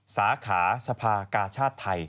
สาขาสภากาชาติไทย